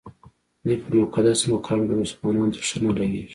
دوی په مقدس مقام کې مسلمانانو ته ښه نه لګېږي.